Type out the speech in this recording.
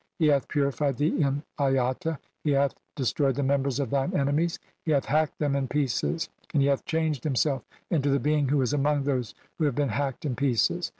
he hath purified thee in Aata, he hath des "troyed the members of thine enemies, he hath hacked "them in pieces, and he hath changed himself into the "being who is among those who have been hacked in "pieces